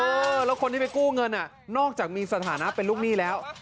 เออแล้วคนที่ไปกู้เงินนอกจากมีสถานะเป็นลูกหนี้แล้ว